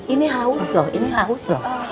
ini haus loh ini haus loh